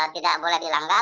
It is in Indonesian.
tidak boleh dilanggar